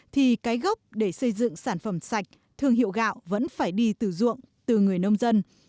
thì cái gốc để xây dựng sản phẩm sạch thương hiệu gạo vẫn phải đi từ ruộng từ người nông dân